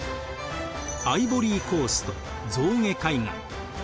アイボリーコースト象牙海岸。